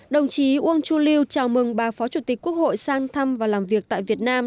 đồng chí uông chu lưu chào mừng bà phó chủ tịch quốc hội sang thăm và làm việc tại việt nam